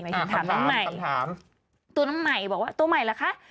หมายถึงถามตัวใหม่ตัวใหม่บอกว่าตัวใหม่หรือคะ